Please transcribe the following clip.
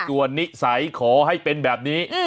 ส่วนนิสัยขอให้เป็นแบบนี้